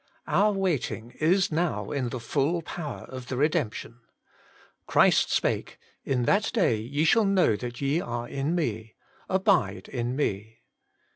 Our waiting is now in the full power of the redemption. Christ spake, * In that day ye shall know that ye are in Me. Abide in Me.'